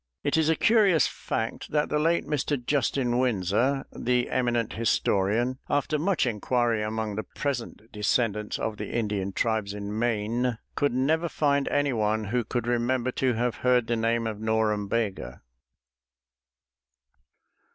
It is a curious fact that the late Mr. Justin Winsor, the eminent historian, after much inquiry among the present descendants of the Indian tribes in Maine, could never find any one who could remember to have heard the name of Norumbega.